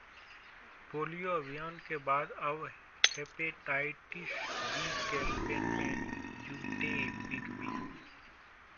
polio अभियान के बाद अब हेपेटाइटिस बी कैंपेन में जुटे बिग बी